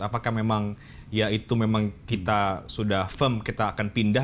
apakah memang kita sudah firm kita akan pindah